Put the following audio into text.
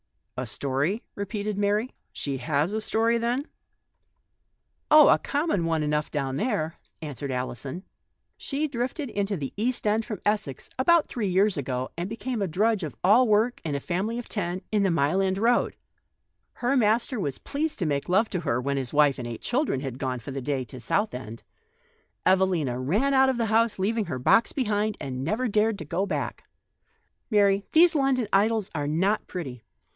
"A story," repeated Mary; "she has a stoiy then ?"" Oh ! a common one enough down there," answered Alison. "She drifted into the East End, from Essex, about three years ago, and is a country girl who got a place as drudge of all work in a family of ten, in the Mile End Road. Her master was pleased to /~66 THE STORY OF A MODERN WOMAN. make love to her when his wife and eight children had gone for the day to Southend ; Evelina ran out of the house, leaving her box behind, and never dared to go back. My dear, these London idyls are not pretty.